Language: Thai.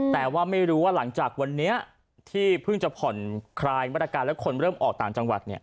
แต่ว่าไม่รู้ว่าหลังจากวันนี้ที่เพิ่งจะผ่อนคลายมาตรการและคนเริ่มออกต่างจังหวัด